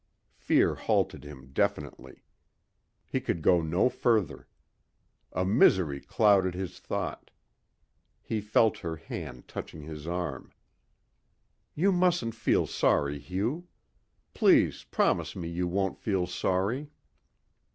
Fear halted him definitely. He could go no further. A misery clouded his thought. He felt her hand touching his arm. "You mustn't feel sorry, Hugh. Please promise me you won't feel sorry...."